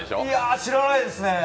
知らないですね。